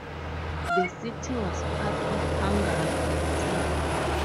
The city was part of Hungary that time.